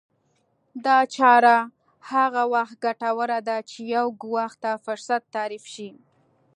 دا چاره هغه وخت ګټوره ده چې يو ګواښ ته فرصت تعريف شي.